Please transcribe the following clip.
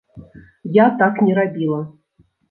Я так не рабіла.